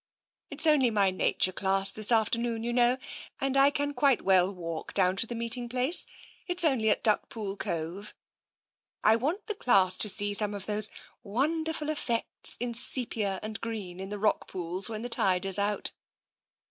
It's only my naturVclass this afternoon, you know, and I can quite well walk down to the meeting place. It's only at Duckpool Cove. I want the class to see some of those wonderful effects in sepia and green in the rock pools when the tide is out."